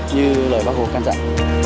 như lời bác hồ can dạy